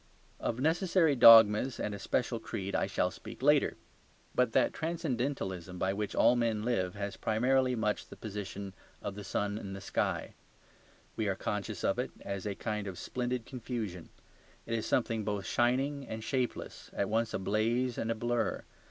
Of necessary dogmas and a special creed I shall speak later. But that transcendentalism by which all men live has primarily much the position of the sun in the sky. We are conscious of it as of a kind of splendid confusion; it is something both shining and shapeless, at once a blaze and a blur.